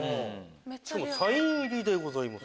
しかもサイン入りでございます。